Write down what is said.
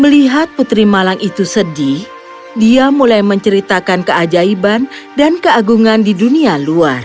melihat putri malang itu sedih dia mulai menceritakan keajaiban dan keagungan di dunia luar